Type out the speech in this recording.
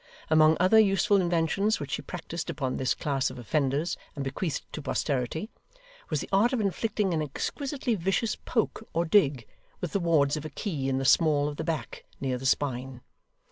Among other useful inventions which she practised upon this class of offenders and bequeathed to posterity, was the art of inflicting an exquisitely vicious poke or dig with the wards of a key in the small of the back, near the spine.